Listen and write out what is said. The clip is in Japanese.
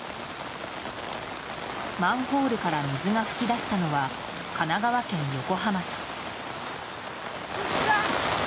マンホールから水が噴き出したのは神奈川県横浜市。